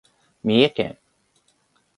三重県